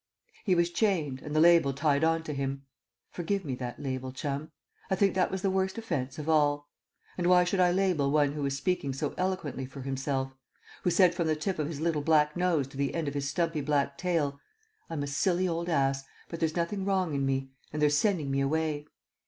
He was chained, and the label tied on to him. Forgive me that label, Chum; I think that was the worst offence of all. And why should I label one who was speaking so eloquently for himself; who said from the tip of his little black nose to the end of his stumpy black tail, "I'm a silly old ass, but there's nothing wrong in me, and they're sending me away!"